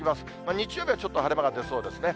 日曜日はちょっと晴れ間が出そうですね。